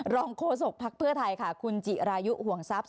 รองโคศกพักเพื่อไทยค่ะคุณจิรายุห่วงทรัพย์